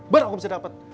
baru aku bisa dapet